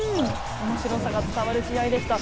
面白さが伝わる試合でした。